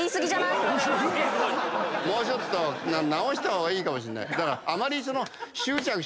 もうちょっと直した方がいいかもしれない。